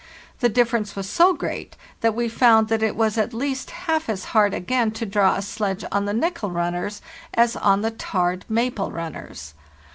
The difference was so great that we found that it was at least half as hard again to draw a sledge on the nickel runners as on the tarred maple runners.